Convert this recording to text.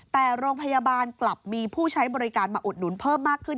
แต่โรงพยาบาลกลับมีผู้ใช้บริการมาอุดหนุนเพิ่มมากขึ้น